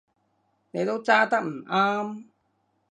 你都揸得唔啱